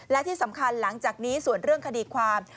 และที่สำคัญหลังจากนี้ส่วนเรื่องคดีความ